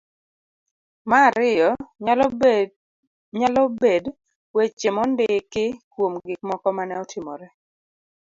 ma ariyo .nyalo bed weche mondiki kuom gikmoko mane otimore.